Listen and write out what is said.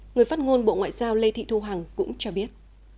người phát ngôn bộ ngoại giao lê thị thu hằng cũng cho biết